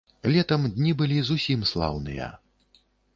Летам дні былі зусім слаўныя.